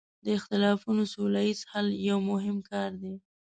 د اختلافونو سوله ییز حل یو مهم کار دی.